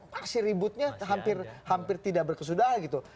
pasti ributnya hampir tidak berkesudahan gitu